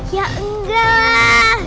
ya enggak lah